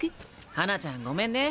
花ちゃんごめんね。